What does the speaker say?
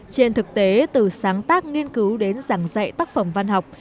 trên thực tế từ sáng tác nghiên cứu đến giảng dạy tác phẩm văn học